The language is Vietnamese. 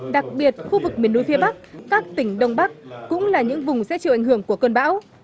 đặc biệt khu vực miền núi phía bắc các tỉnh đông bắc cũng là những vùng sẽ chịu ảnh hưởng của cơn bão